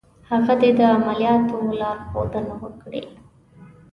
هغه دې د عملیاتو لارښودنه وکړي.